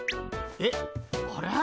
えっあれ？